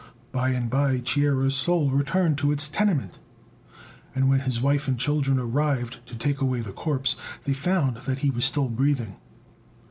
By and by Chia's soul returned to its tenement; and when his wife and children arrived to take away the corpse, they found that he was still breathing.